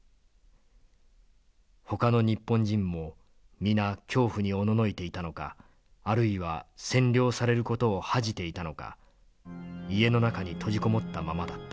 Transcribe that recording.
ほかの日本人も皆恐怖におののいていたのかあるいは占領される事を恥じていたのか家の中に閉じこもったままだった」。